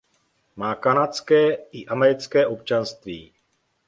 Má kanadské i americké občanství.